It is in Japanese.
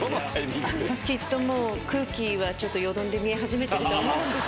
きっともう空気はよどんで見え始めてると思うんですけど。